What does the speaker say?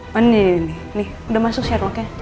oh ini nih nih nih nih udah masuk serloknya